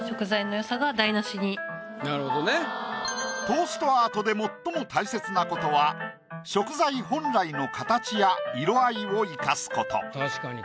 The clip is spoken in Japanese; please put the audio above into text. トーストアートで最も大切なことは食材本来の形や色合いを生かすこと。